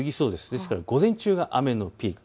ですから午前中が雨のピーク。